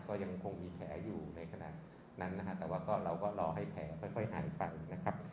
ก็ยังคงมีแผลอยู่ในขณะนั้นนะฮะแต่ว่าก็เราก็รอให้แผลค่อยหายไปนะครับ